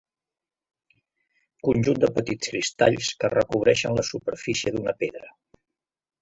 Conjunt de petits cristalls que recobreixen la superfície d'una pedra.